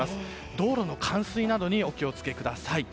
道路の冠水などにお気を付けください。